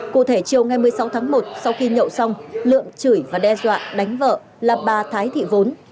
cụ thể chiều ngày một mươi sáu tháng một sau khi nhậu xong lượng chửi và đe dọa đánh vợ là bà thái thị vốn